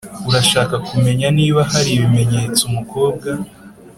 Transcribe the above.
urashaka kumenya niba hari ibimenyetso umukobwa